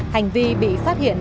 hành vi bị phát hiện